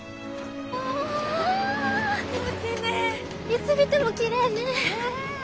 いつ見てもきれいね。